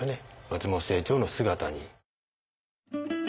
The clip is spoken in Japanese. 松本清張の姿に。